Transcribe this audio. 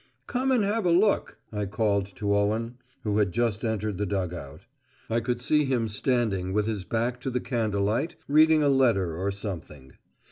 "Come and have a look," I called to Owen, who had just entered the dug out. I could see him standing with his back to the candlelight reading a letter or something.